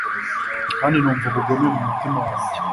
Kandi numva ubugome mumutima wanjye